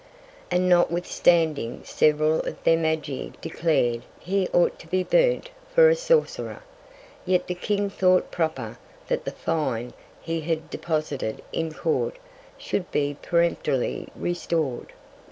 And notwithstanding several of their Magi declar'd he ought to be burnt for a Sorcerer; yet the King thought proper, that the Fine he had deposited in Court, should be peremptorily restor'd.